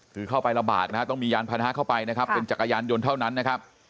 คือเข้าไประบาดนะฮะต้องมียานพานะเข้าไปนะครับเป็นจักรยานยนต์เท่านั้นนะครับ